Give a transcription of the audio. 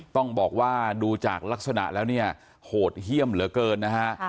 ต้องบอกว่าดูจากลักษณะแล้วเนี่ยโหดเยี่ยมเหลือเกินนะฮะ